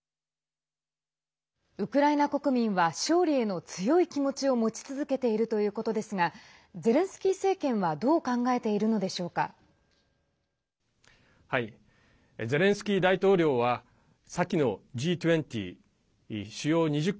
ウクライナ国民は勝利への強い気持ちを持ち続けているということですがゼレンスキー政権はどう考えているのでしょうか？